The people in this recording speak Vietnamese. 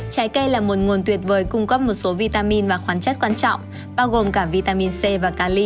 trái cây là một nguồn tuyệt vời cung cấp một số vitamin và khoán chất quan trọng bao gồm cả vitamin c và cali